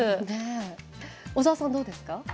小沢さん、どうですか？